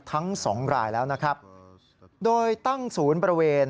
ทั้งสองรายแล้วนะครับโดยตั้งศูนย์บริเวณ